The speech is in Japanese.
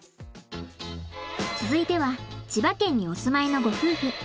続いては千葉県にお住まいのご夫婦。